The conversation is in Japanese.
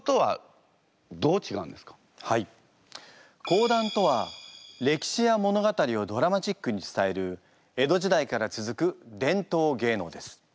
講談とは歴史や物語をドラマチックに伝える江戸時代から続く伝統芸能です。